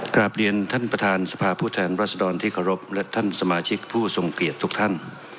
กลับเรียนท่านประธานสภาพผู้แทนรัศดรที่เคารพและท่านสมาชิกผู้ทรงเกียรติทุกท่าน